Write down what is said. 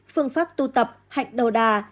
phương pháp tu tập hạnh đầu đà